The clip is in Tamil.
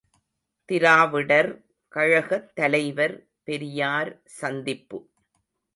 ● திராவிடர் கழகத் தலைவர் பெரியார் சந்திப்பு.